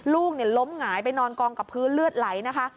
ลูกล้มหงายไปนอนกองกับพื้นเลือดไหลนะคะ